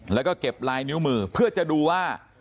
แล้วก็เก็บลายนิ้วมือเพื่อจะดูว่า